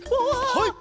はい！